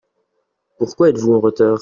Pourquoi êtes-vous en retard ?